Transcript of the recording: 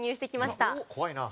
怖いな。